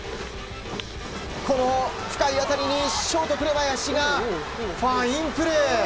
この深い当たりにショート紅林がファインプレー！